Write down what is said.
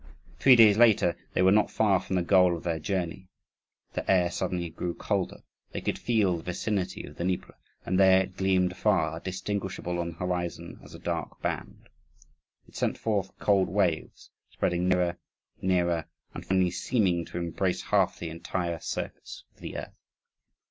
Three days later they were not far from the goal of their journey. The air suddenly grew colder: they could feel the vicinity of the Dnieper. And there it gleamed afar, distinguishable on the horizon as a dark band. It sent forth cold waves, spreading nearer, nearer, and finally seeming to embrace half the entire surface of the earth.